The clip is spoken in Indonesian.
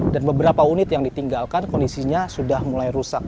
dan beberapa unit yang ditinggalkan kondisinya sudah mulai rusak